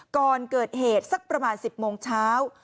ก่อนเกิดเหตุสักประมาณ๑๐โมงเช้า